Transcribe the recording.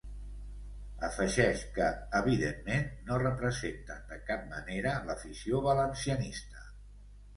Afegeix que ‘evidentment, no representen de cap manera l’afició valencianista’.